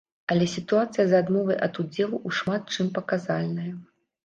Але сітуацыя з адмовай ад удзелу ў шмат чым паказальная.